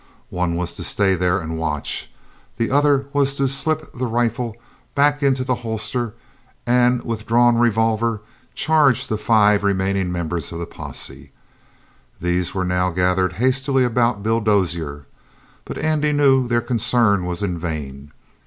One was to stay there and watch. The other was to slip the rifle back into the holster and with drawn revolver charge the five remaining members of the posse. These were now gathering hastily about Bill Dozier. But Andy knew their concern was in vain.